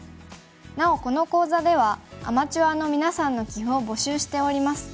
なおこの講座ではアマチュアのみなさんの棋譜を募集しております。